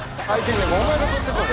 お前が取ってこい。